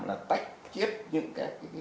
là tách chiếc những cái